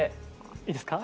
いいですか？